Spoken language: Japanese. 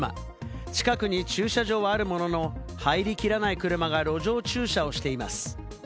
近くに駐車場はあるものの、入りきらない車が路上駐車をしています。